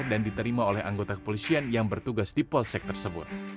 dan diterima oleh anggota kepolisian yang bertugas di polsek tersebut